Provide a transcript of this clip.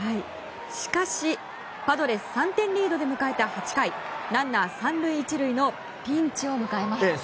しかし、パドレス３点リードで迎えた８回ランナー３塁１塁のピンチを迎えます。